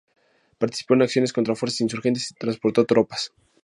Participó en acciones contra fuerzas insurgentes y transportó tropas.